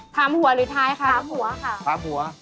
ถามหัวหรือท้ายคะถามหัวค่ะ